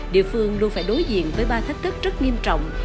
địa phương luôn phải đối diện với ba thách thức rất nghiêm trọng